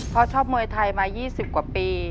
เพราะชอบมวยไทยมา๒๐กว่าปี